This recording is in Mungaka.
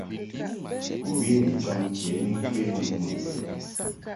Bɨwi ni ncham ke ni ŋkwe mɨ mbo ŋgəd.